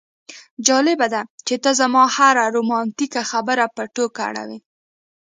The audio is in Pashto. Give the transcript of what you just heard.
جالبه ده چې ته زما هره رومانتیکه خبره په ټوکه اړوې